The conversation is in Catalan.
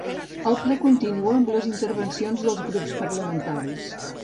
El ple continua amb les intervencions dels grups parlamentaris.